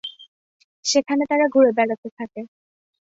সেখানে তারা ঘুরে বেড়াতে থাকে।